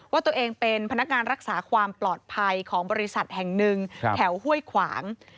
ว่าตัวเองเป็นพนักงานรักษาความปลอดภัยของบริษัทแห่งหนึ่งแถวห้วยขวาง